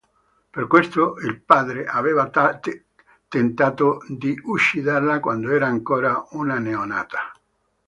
Per questo il padre aveva tentato di ucciderla quando era ancora una neonata.